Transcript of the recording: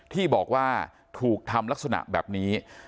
ที่บอกว่าถูกทำลักษณะแบบนี้